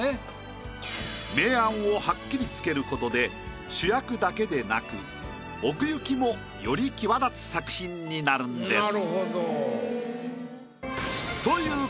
明暗をはっきりつけることで主役だけでなく奥行きもより際立つ作品になるんです。